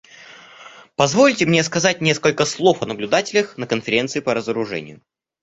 Позвольте мне сказать несколько слов о наблюдателях на Конференции по разоружению.